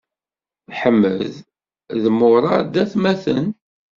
Aḥmed d Muṛad d atmaten.